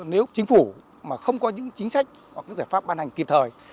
nếu chính phủ mà không có những chính sách hoặc những giải pháp ban hành kịp thời